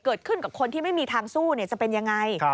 เกิดขึ้นกับคนที่ไม่มีทางสู้จะเป็นยังไง